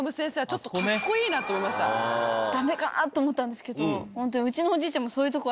ダメかなと思ったんですけどホントにうちの。